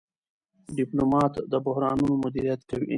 ډيپلومات د بحرانونو مدیریت کوي.